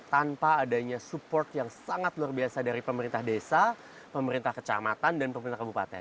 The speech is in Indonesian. tanpa adanya support yang sangat luar biasa dari pemerintah desa pemerintah kecamatan dan pemerintah kabupaten